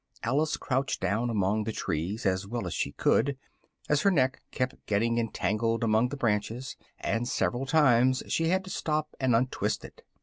Alice crouched down among the trees, as well as she could, as her neck kept getting entangled among the branches, and several times she had to stop and untwist it.